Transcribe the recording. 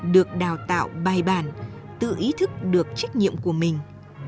được đào tạo bài bản tự ý thức được trách nhiệm của mình